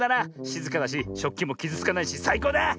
しずかだししょっきもきずつかないしさいこうだ！